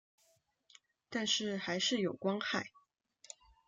但是还是有光害